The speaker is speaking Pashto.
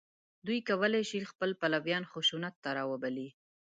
دوی کولای شي خپل پلویان خشونت ته راوبولي